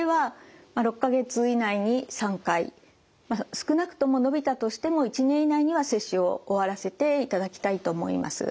少なくとも延びたとしても１年以内には接種を終わらせていただきたいと思います。